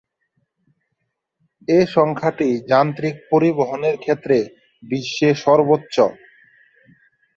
এ সংখ্যাটি যান্ত্রিক পরিবহনের ক্ষেত্রে বিশ্বে সর্বোচ্চ।